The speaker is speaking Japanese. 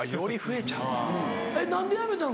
えっ何でやめたの？